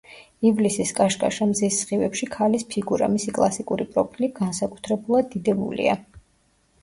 ივლისის კაშკაშა მზის სხივებში ქალის ფიგურა, მისი კლასიკური პროფილი განსაკუთრებულად დიდებულია.